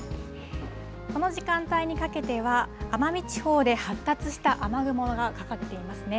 この時間帯にかけては、奄美地方で発達した雨雲がかかっていますね。